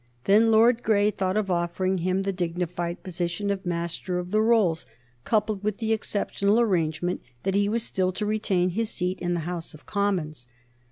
Then Lord Grey thought of offering him the dignified position of Master of the Rolls, coupled with the exceptional arrangement that he was still to retain his seat in the House of Commons.